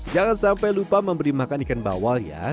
jangan sampai lupa memberi makan ikan bawal ya